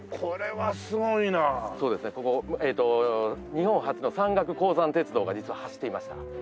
日本初の山岳鉱山鉄道が実は走っていました。